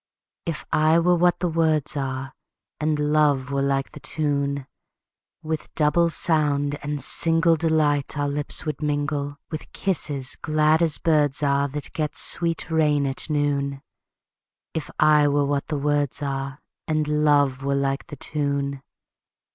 If I were what the words are, And love were like the tune, With double sound and single Delight our lips would mingle, With kisses glad as birds are That get sweet rain at noon; If I were what the words are, And love were like the tune.